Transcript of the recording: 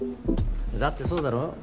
だってそうだろ？